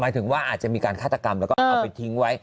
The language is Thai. ถึงว่าอาจจะมีการฆาตกรรมแล้วก็เอาไปทิ้งไว้